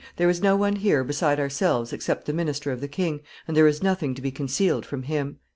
There is no one here beside ourselves except the minister of the king, and there is nothing to be concealed from him."